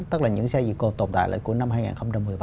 tất cả những xe gì còn tồn tại lại của năm hai nghìn một mươi bảy